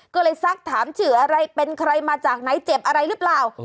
ก็เลยซักถามชื่ออะไรเป็นใครมาจากไหนเจ็บอะไรหรือเปล่า